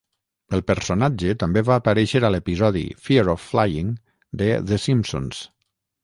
El personatge també va aparèixer a l'episodi "Fear of Flying" de "The Simpsons".